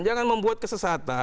jangan membuat kesesatan